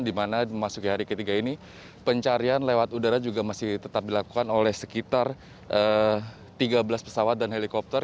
di mana memasuki hari ketiga ini pencarian lewat udara juga masih tetap dilakukan oleh sekitar tiga belas pesawat dan helikopter